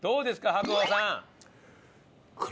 白鵬さん。